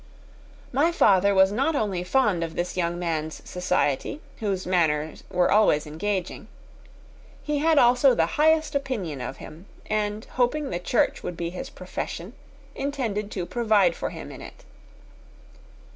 My father was not only fond of this young man's society, whose manners were always engaging, he had also the highest opinion of him, and hoping the church would be his profession, intended to provide for him in it.